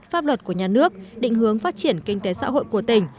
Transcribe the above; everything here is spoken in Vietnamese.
pháp luật của nhà nước định hướng phát triển kinh tế xã hội của tỉnh